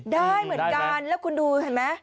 ได้เหมือนกันแล้วคุณดูเห็นไหม